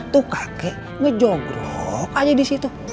tuh kakek ngejogrok aja di situ